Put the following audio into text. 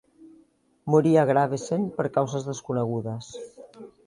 Morí a Gravesend per causes desconegudes.